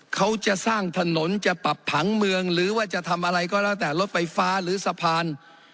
เขาจะสร้างถนนจะปรับผังเมืองหรือว่าจะทำอะไรก็แล้วแต่รถไฟฟ้าหรือสะพาน